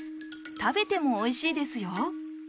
食べてもおいしいですよ